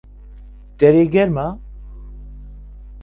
دەرێ گەرمە؟